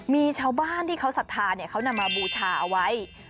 มีชาวบ้านที่เขาศรัทธาเขานำมาบูชาเอาไว้